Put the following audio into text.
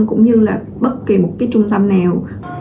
cũng như là bất kỳ một cái trung tâm nào